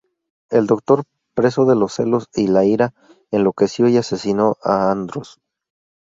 El doctor, preso de los celos y la ira, enloqueció y asesinó a Andros.